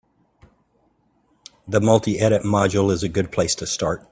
The multi-edit module is a good place to start.